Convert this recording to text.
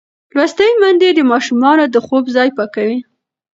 لوستې میندې د ماشومانو د خوب ځای پاکوي.